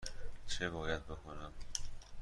چه باید بکنم؟